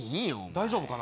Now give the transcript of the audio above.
大丈夫かな